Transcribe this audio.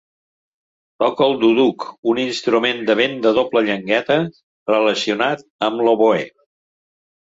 Toca el duduk, un instrument de vent de doble llengüeta relacionat amb l'oboè.